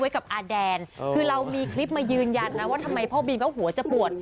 คือเรามีคลิปมายืนยันว่าทำไมพ่อบีมก็หัวจะปวด